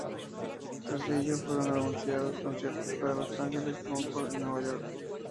Tras ello, fueron anunciados conciertos para Los Ángeles, Concord y Nueva York.